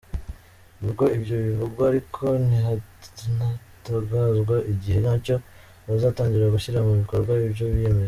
Nubwo ibyo bivugwa ariko ntihatangazwa igihe nyacyo bazatangira gushyira mu bikorwa ibyo biyemeje.